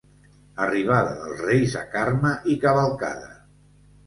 Arribada dels Reis a Carme i cavalcada.